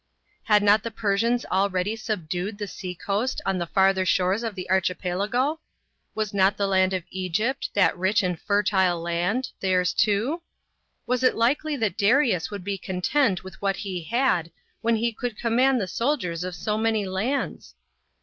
Had not the Persians already subdued the sea coast on the farther shores of the Archipelago ? was not the land of Egypt that rich and fertile land theirs too ? Was it likely that Darius would be content with what he had, when he could command the soldiers of so many lands